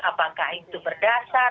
apakah itu berdasar